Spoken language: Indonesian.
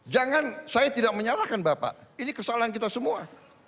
jangan saya tidak menyalahkan bapak ini kesalahan kita semua